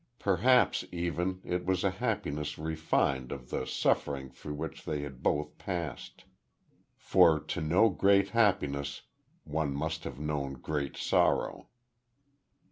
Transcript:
Perhaps, even it was a happiness refined of the suffering through which they both had passed; for, to know great happiness one must have known great sorrow.